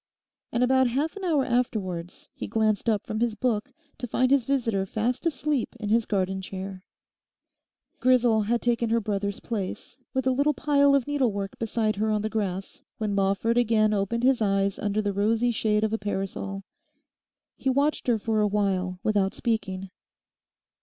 And about half an hour afterwards he glanced up from his book to find his visitor fast asleep in his garden chair. Grisel had taken her brother's place, with a little pile of needlework beside her on the grass, when Lawford again opened his eyes under the rosy shade of a parasol. He watched her for a while, without speaking.